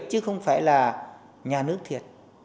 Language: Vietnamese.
chứ không phải là nhà nước thiệt